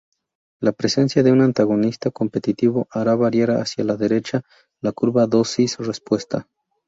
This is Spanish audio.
La presencia de un antagonista competitivo hará variar hacia la derecha la curva dosis-respuesta.